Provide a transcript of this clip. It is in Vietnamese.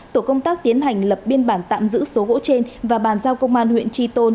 tổ công tác tiến hành lập biên bản tạm giữ số gỗ trên và bàn giao công an huyện tri tôn